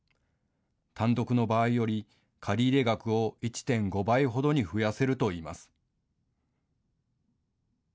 単独の場合より借入額を１．５倍ほどに増やせるといいます。